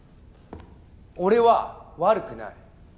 俺は悪くない。